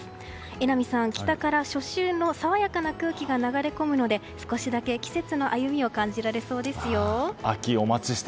榎並さん、北から初秋の爽やかな空気が流れ込むので少しだけ季節の歩みを感じられそうですよ。